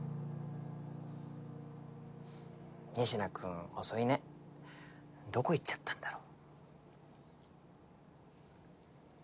仁科君遅いねどこ行っちゃったんだろ？